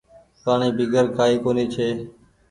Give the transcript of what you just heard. پآڻيٚ بيگر ڪآئي ڪونيٚ ڇي۔